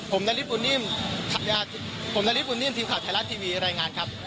ผมนาริสบุญนิ่มทีมขับไทยรัฐทีวีรายงานครับ